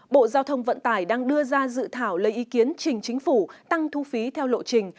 bộ giao thông vận tải đang đưa ra dự thảo lấy ý kiến trình chính phủ tăng thu phí theo lộ trình